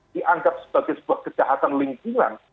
dianggap sebagai sebuah kejahatan lingkungan